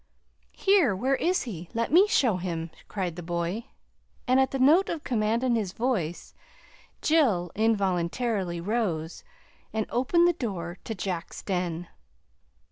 "Here, where is he? Let me show him," cried the boy, and at the note of command in his voice, Jill involuntarily rose and opened the door to Jack's den.